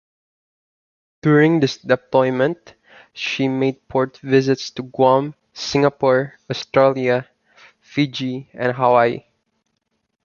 During this deployment, she made port visits to Guam, Singapore, Australia, Fiji and Hawaii.